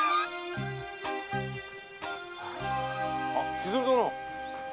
千鶴殿！